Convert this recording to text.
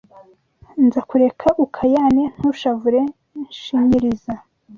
Nzakureka ukayane Ntushavure shinyiriza